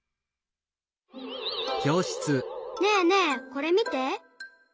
ねえねえこれみて。